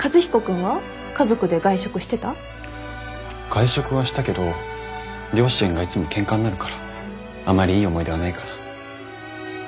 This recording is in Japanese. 外食はしたけど両親がいつもケンカになるからあまりいい思い出はないかな。